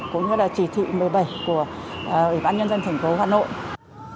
cũng như là chỉ thị một mươi bảy của ủy ban nhân dân thành phố hà nội